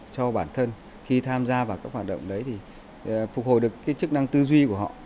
cho bản thân khi tham gia vào các hoạt động đấy thì phục hồi được cái chức năng tư duy của họ